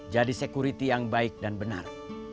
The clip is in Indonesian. security yang baik dan benar